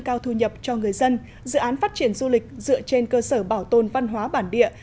cao thu nhập cho người dân dự án phát triển du lịch dựa trên cơ sở bảo tồn văn hóa bản địa